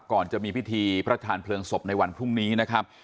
จะมีพิธีพระทานเพลิงศพในวันพรุ่งนี้นะครับ